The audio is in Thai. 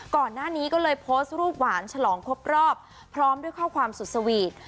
ก่อนหน้านี้ก็เลยโพสต์รูปหวานฉลองครบรอบพร้อมด้วยข้อความสุดสวีท